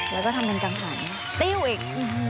แล้วก็ทำเป็นกังหันติ้วอีก